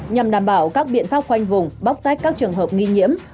nhằm đảm bảo các biện pháp khoanh vùng bóc tách các trường hợp nghi nhiễm